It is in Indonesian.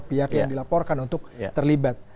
pihak yang dilaporkan untuk terlibat